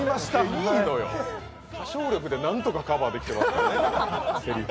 いいのよ、歌唱力でなんとかセリフはカバーできてますからね。